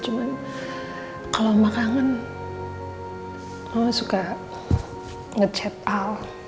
cuma kalau mama kangen mama suka ngechat al